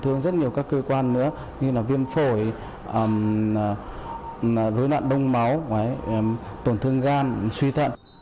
tổn thương rất nhiều các cơ quan nữa như là viêm phổi lối nạn đông máu tổn thương gan suy thận